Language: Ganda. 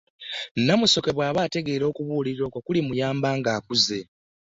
Namusoke bw'aba ategeera okubuulirirwa okwo kulimuyamba ng'akuze